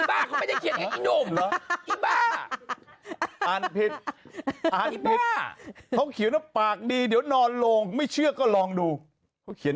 อ่านเขาเขียนว่าปากดีเดี๋ยวนอนโรงไม่เชื่อก็ลองดูเขาเขียน